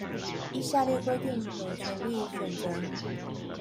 依下列規定有權利選擇